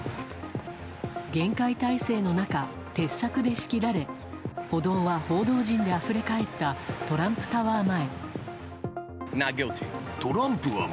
厳戒態勢の中、鉄柵で仕切られ歩道は報道陣であふれ返ったトランプタワー前。